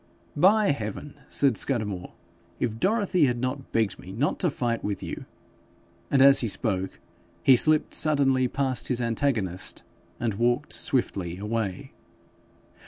'By heaven,' said Scudamore, 'if Dorothy had not begged me not to fight with you ,' and as he spoke he slipped suddenly past his antagonist, and walked swiftly away.